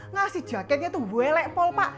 ngasih jaketnya tuh welek pol pak